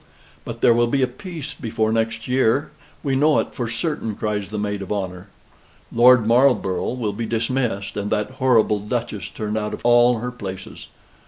"But there will be a peace before next year; we know it for certain," cries the Maid of Honor. "Lord Marlborough will be dismissed, and that horrible duchess turned out of all her places.